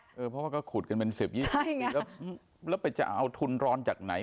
เพราะว่าก็ขุดกันเป็น๑๐๒๐ไงแล้วไปจะเอาทุนร้อนจากไหน